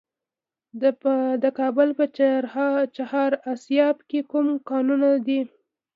د کابل په چهار اسیاب کې کوم کانونه دي؟